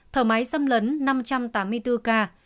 thở máy xâm lấn năm trăm tám mươi bốn ca